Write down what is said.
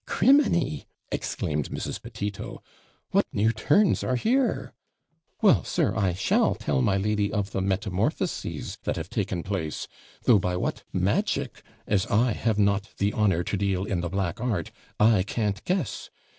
'CRIMINI!' exclaimed Mrs. Petito, 'what new turns are here! Well, sir, I shall tell my lady of the METAMORPHOSES that have taken place, though by what magic (as I have not the honour to deal in the black art) I can't guess.